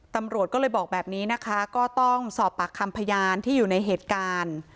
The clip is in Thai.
ตำรวจก็เลยบอกแบบนี้นะคะก็ต้องสอบปากคำพยานที่อยู่ในเหตุการณ์